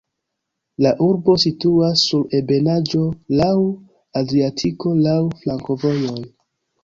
La urbo situas sur ebenaĵo, laŭ Adriatiko, laŭ flankovojoj.